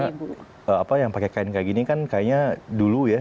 karena apa yang pakai kain kayak gini kan kayaknya dulu ya